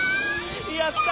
やった！